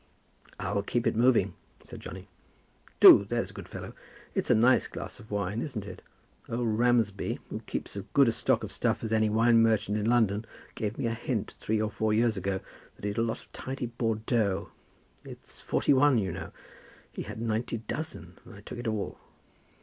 "I'll keep it moving," said Johnny. "Do; there's a good fellow. It's a nice glass of wine, isn't it? Old Ramsby, who keeps as good a stock of stuff as any wine merchant in London, gave me a hint, three or four years ago, that he'd a lot of tidy Bordeaux. It's '41, you know. He had ninety dozen, and I took it all."